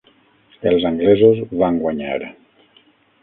Els anglesos van guanyar.